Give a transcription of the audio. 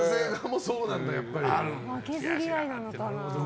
負けず嫌いなのかな。